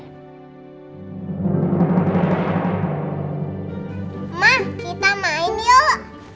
ma kita main yuk